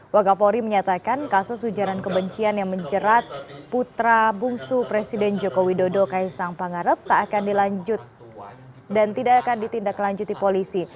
wakil polri menyatakan kasus ujaran kebencian yang menjerat putra bungsu presiden joko widodo kaisang pangarep tak akan dilanjut dan tidak akan ditindaklanjuti polisi